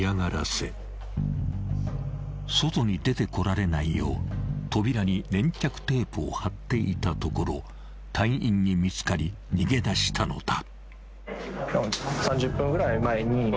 ［外に出てこられないよう扉に粘着テープをはっていたところ隊員に見つかり逃げ出したのだ］